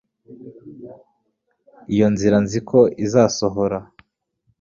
iyo nzira nzi ko izasohora